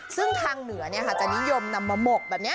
ซึ่งทางเหนือจะนิยมนำมาหมกแบบนี้